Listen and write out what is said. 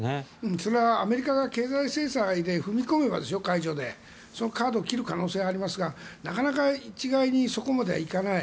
それはアメリカが経済制裁解除で踏み込めばそのカードを切る可能性がありますがなかなか一概にそこまでは行かない。